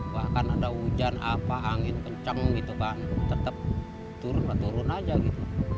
bahkan ada hujan apa angin kencang gitu kan tetap turun aja gitu